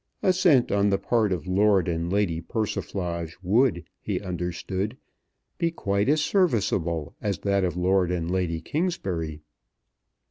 Assent on the part of Lord and Lady Persiflage would, he understood, be quite as serviceable as that of Lord and Lady Kingsbury.